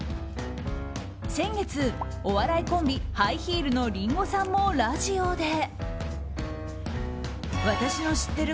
先月、お笑いコンビハイヒールのリンゴさんもラジオで。